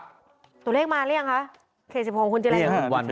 ตัวเลขมาแล้วหรือยังคะ